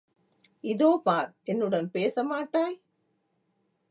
இதோ பார், என்னுடன் பேச மாட்டாய்?